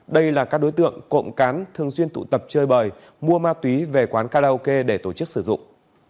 đây là các đối tượng cộng cán thường xuyên tụ tập chơi bời mua ma túy về quán karaoke để tổ chức sử dụng